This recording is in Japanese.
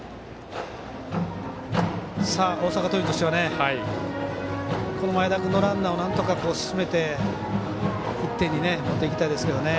大阪桐蔭としては前田君のランナーをなんとか進めて１点に持っていきたいですけどね。